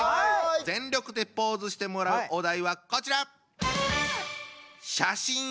全力でポーズしてもらうお題はこちら！